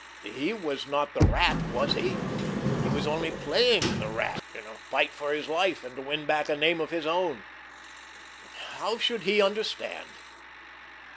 He was not the Rat, was he? He was only playing the Rat in a fight for his life, and to win back a name of his own! How should he understand!